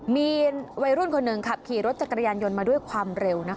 มีวัยรุ่นคนหนึ่งขับขี่รถจักรยานยนต์มาด้วยความเร็ว